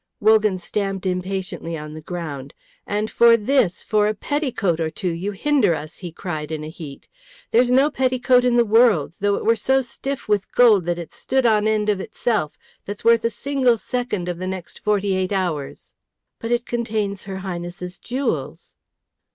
Wogan stamped impatiently on the ground. "And for this, for a petticoat or two, you hinder us," he cried in a heat. "There's no petticoat in the world, though it were so stiff with gold that it stood on end of itself, that's worth a single second of the next forty eight hours." "But it contains her Highness's jewels."